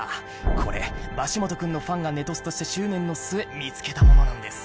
これバシモト君のファンがネトストして執念の末見つけたものなんです。